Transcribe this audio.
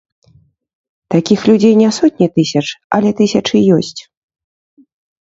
Такіх людзей не сотні тысяч, але тысячы ёсць.